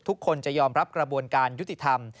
ทุกคนจะยอมรับกระบวนการยุติธรรม